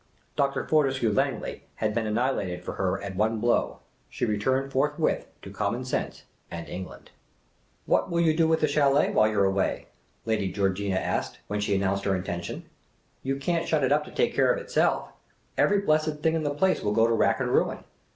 Dr. Fortescue Langley had been annihi lated for her at one blow: she returned forthwith to common sense and England. The Impromptu Mountaineer 121 " What will you do with the chalet while j'ou 're away ?" Lady Georgiiia asked, when she announced her intention. " You can't shut it up to take care of itself. Every blessed thing in the place will go to rack and ruin.